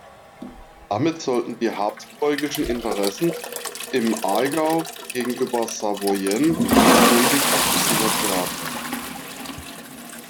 Damit sollten die habsburgischen Interessen im Aargau gegenüber Savoyen endgültig abgesichert werden.